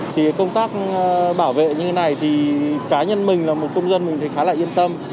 thì công tác bảo vệ như thế này thì cá nhân mình là một công dân mình thấy khá là yên tâm